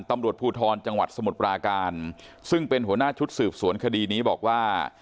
ตำรวจภูทรจังหวัดสมุทรปราการซึ่งเป็นหัวหน้าชุดสืบสวนคดีนี้บอกว่า